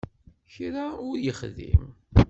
Kra ur yexdim.